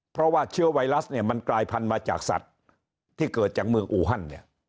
เพราะว่าเชื้อไวรัสเนี่ยมันกลายพันธุ์มาจากสัตว์ที่เกิดจากเมืองอูฮันเนี่ย